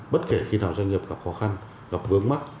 bất kể khi nào doanh nghiệp gặp khó khăn gặp vướng mắt